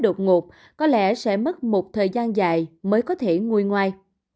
đột ngột có lẽ sẽ mất một thời gian dài mới có thể nguôi ngoai